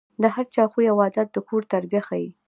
د هر چا خوی او عادت د کور تربیه ښيي.